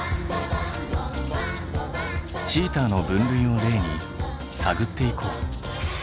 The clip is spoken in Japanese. チーターの分類を例に探っていこう。